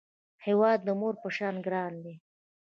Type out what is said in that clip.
هیواد د مور په شان ګران دی